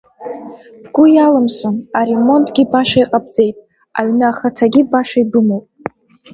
Бгәы иалымсын, аремонтгьы баша иҟабҵеит, аҩны ахаҭагьы баша ибымоуп.